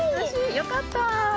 よかった。